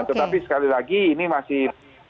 tetapi sekali lagi ini masih